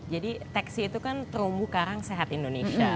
jadi tecsi itu kan terumbu karang sehat indonesia